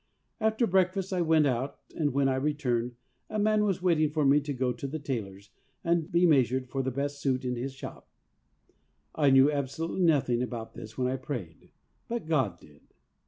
After breakfast I went out, and when I returned a man was waiting for me to go to the tailor's and be measured for the best suit in his shop. I knew absolutely nothing about this when I prayed, but God did.